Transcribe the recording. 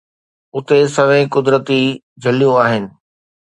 اتي سوين قدرتي جھليون آھن